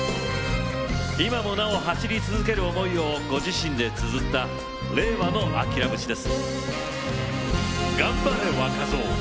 今もなお走り続ける思いをご自身でつづった令和のアキラ節です。